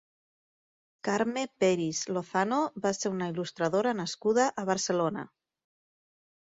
Carme Peris Lozano va ser una il·lustradora nascuda a Barcelona.